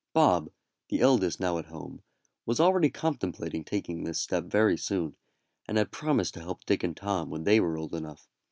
Bob, the eldest now at home, was already contemplating taking this step very soon, and had promised to help Dick and Tom when they were old enough.